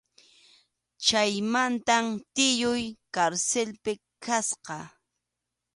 Chaymantam tiyuy karsilpi kasqa.